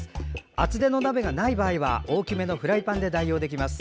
厚手の鍋がない場合は、大きめのフライパンで代用できます。